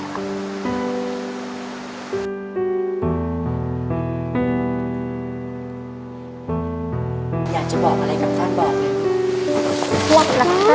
เป็นห่วงอะไรตายยายมากที่สุด